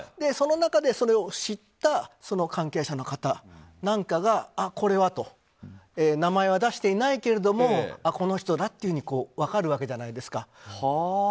その中でこれを知った関係者の方なんかがあ、これはと名前は出していないけどもこの人だっていうふうに分かるわけじゃないですか。